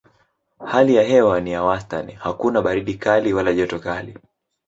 Hali ya hewa ni ya wastani: hakuna baridi kali wala joto kali.